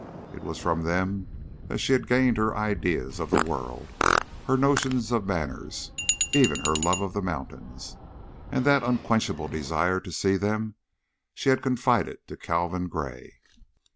It was from them that she had gained her ideas of the world, her notions of manners, even her love of the mountains, and that unquenchable desire to see them that she had confided to Calvin Gray.